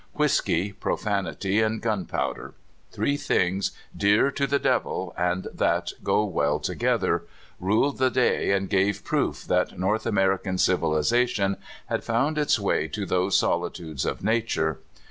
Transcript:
Whisky, profanity, and gunpowder — three things dear to the devil, and that go well together — ruled the day, and gave proof that North American civilization had found its way to those solitudes of nature.